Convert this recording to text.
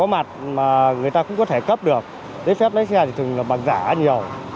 mà người ta cũng có thể cấp được lấy phép lái xe thường là bằng giả nhiều